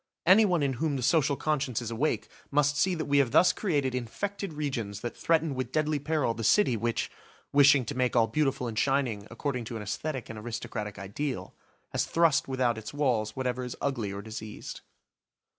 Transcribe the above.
Anyone in whom the social conscience is awake must see that we have thus created infected regions that threaten with deadly peril the city which, wishing to make all beautiful and shining according to an aesthetic and aristocratic ideal, has thrust without its walls whatever is ugly or diseased.